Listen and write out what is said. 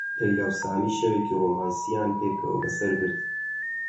لەیلا و سامی شەوێکی ڕۆمانسییان پێکەوە بەسەر برد.